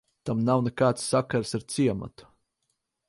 Tam nav nekāds sakars ar ciematu.